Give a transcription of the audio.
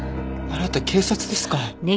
あなた警察ですか。